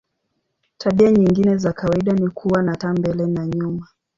Tabia nyingine za kawaida ni kuwa na taa mbele na nyuma.